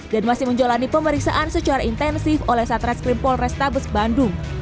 dan masih menjalani pemeriksaan secara intensif oleh satreskrim polrestabes bandung